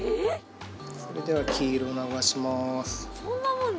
それでは黄色流します